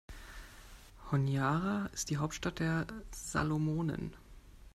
Honiara ist die Hauptstadt der Salomonen.